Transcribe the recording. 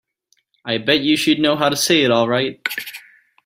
I bet you she'd know how to say it all right.